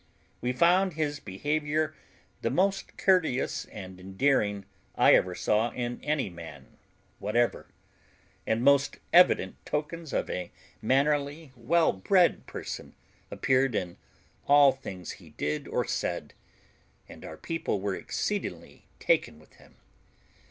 We found his behaviour the most courteous and endearing I ever saw in any man whatever, and most evident tokens of a mannerly, well bred person appeared in all things he did or said, and our people were exceedingly taken with him.